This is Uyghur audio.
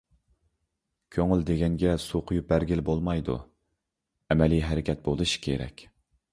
كۆڭۈل دېگەنگە سۇ قۇيۇپ بەرگىلى بولمايدۇ، ئەمەلىي ھەرىكەت بولۇشى كېرەك.